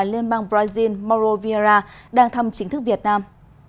liên bang brazil mauro vieira đang thăm chính thức việt nam